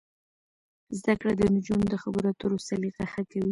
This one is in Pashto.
زده کړه د نجونو د خبرو اترو سلیقه ښه کوي.